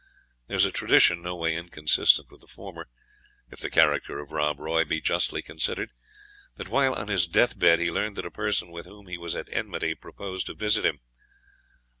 There is a tradition, no way inconsistent with the former, if the character of Rob Roy be justly considered, that while on his deathbed, he learned that a person with whom he was at enmity proposed to visit him.